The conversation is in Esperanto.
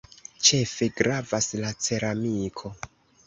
Ĉefe gravas la ceramiko.